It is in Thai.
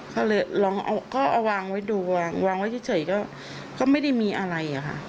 ก็เลยลองเอาก็เอาวางไว้ดูวางไว้เฉยก็ไม่ได้มีอะไรอะค่ะ